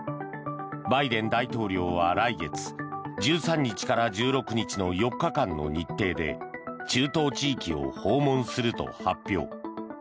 バイデン大統領は来月１３日から１６日の４日間の日程で中東地域を訪問すると発表。